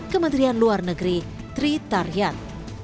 kementerian luar negeri tri taryat